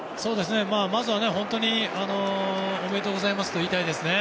まずは本当におめでとうございますと言いたいですね。